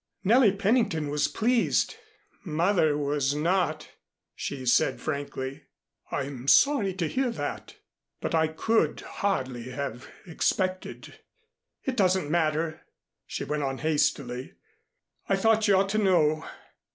"Nellie Pennington was pleased; mother was not," she said frankly. "I'm sorry to hear that. But I could hardly have expected " "It doesn't matter," she went on hastily. "I thought you ought to know."